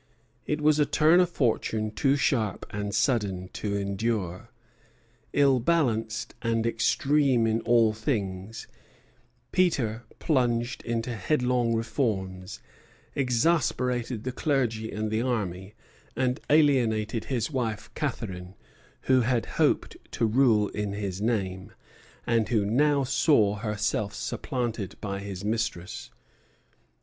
It was a turn of fortune too sharp and sudden to endure. Ill balanced and extreme in all things, Peter plunged into headlong reforms, exasperated the clergy and the army, and alienated his wife, Catherine, who had hoped to rule in his name, and who now saw herself supplanted by his mistress.